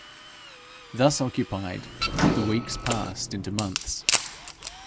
Thus occupied, the weeks passed into months.